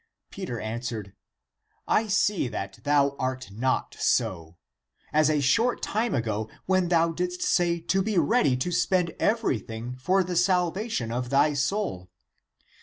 Peter answered, " I see that thou art not so, as a short time ago, when thou didst say to be ready to spend everything for the salvation of thy soul.